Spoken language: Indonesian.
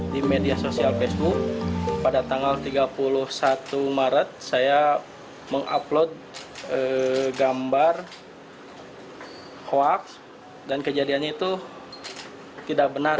di media sosial facebook pada tanggal tiga puluh satu maret saya mengupload gambar hoaks dan kejadiannya itu tidak benar